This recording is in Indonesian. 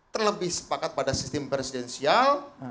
terlebih sepakat pada sistem presidensial